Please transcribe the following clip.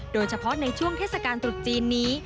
โดยเฉพาะในช่วงเทศกาลตรุษจีนนี้